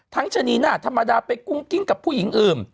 ชะนีน่าธรรมดาไปกุ้งกิ้งกับผู้หญิงอื่น